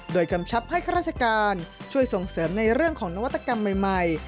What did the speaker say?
โดยกำชับให้ข้าราชการช่วยส่งเสริมในเรื่องของนวัตกรรมใหม่